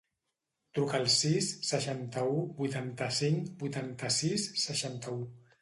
Truca al sis, seixanta-u, vuitanta-cinc, vuitanta-sis, seixanta-u.